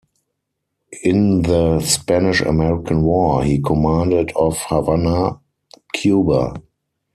In the Spanish-American War, he commanded off Havana, Cuba.